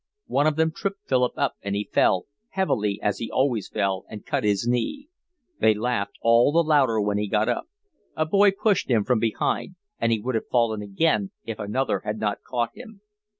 One of them tripped Philip up and he fell, heavily as he always fell, and cut his knee. They laughed all the louder when he got up. A boy pushed him from behind, and he would have fallen again if another had not caught him.